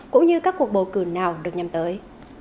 cũng như các cuộc bầu cử nào được nhằm tới